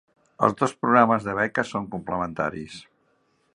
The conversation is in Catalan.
Els dos programes de beques són complementaris.